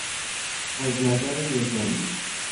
از نظر نظامی